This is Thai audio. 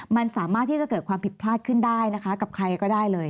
มันสามารถที่จะเกิดความผิดพลาดขึ้นได้นะคะกับใครก็ได้เลย